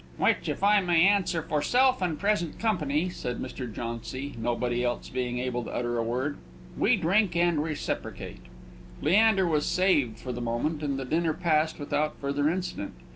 "Which, if I may answer for self and present company," said Mr. Jauncy, nobody else being able to utter a word, "we drink and reciprocate." Leander was saved for the moment, and the dinner passed without further incident.